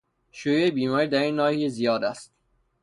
شیوع بیماری در این ناحیه زیاد است.